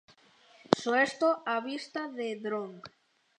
Soesto a vista de dron.